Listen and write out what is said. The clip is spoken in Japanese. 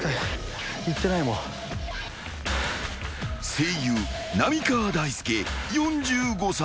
［声優浪川大輔４５歳。